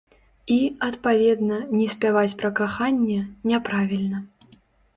І, адпаведна, не спяваць пра каханне, няправільна.